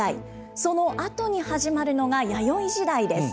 そのあとに始まるのが弥生時代です。